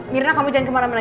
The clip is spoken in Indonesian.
mirna kamu jangan kemana mana